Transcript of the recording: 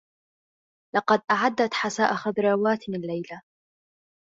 لقد أعدّت حساء خضروات الليلة.